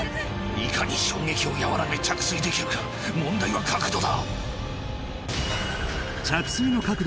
いかに衝撃をやわらげ着水できるか問題は角度だ！